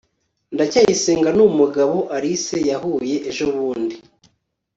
ndacyayisenga numugabo alice yahuye ejobundi